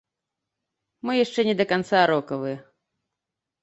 Мы яшчэ не да канца рокавыя.